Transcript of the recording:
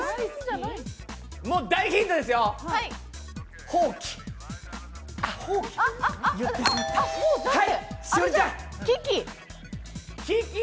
もう大ヒントですよ、ほうき。